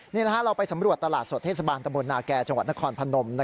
นี่ล่ะเราไปสำรวจตลาดสวทธิสบาลตมนาแก่จนครพนม